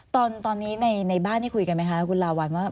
ตอนนี้ในบ้านที่คุยกันไหมคะคุณลาวัลว่า